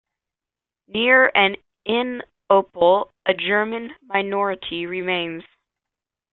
Near and in Opole, a German minority remains.